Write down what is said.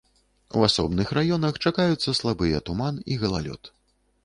У асобных раёнах чакаюцца слабыя туман і галалёд.